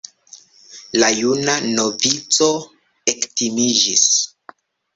La juna novico ektimiĝis.